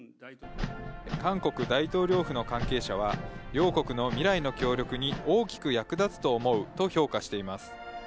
韓国大統領府の関係者は、両国の未来の協力に大きく役立つと思うと評価しています。